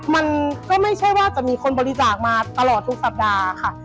มันก็ไม่ใช่ว่าจะมีคนบริจาคมาตลอดทุกสัปดาห์ค่ะ